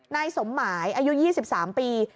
นายสมหมายอายุ๒๓ปี